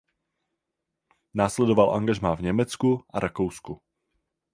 Následovalo angažmá v Německu a Rakousku.